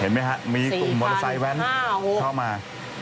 เห็นไหมฮะมีกลุ่มมอเตอร์ไซค์แว้นเข้ามา